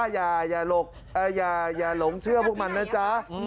อย่าหลงเชื่อพวกมันนะจ๊ะ